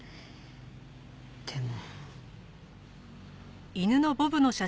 でも。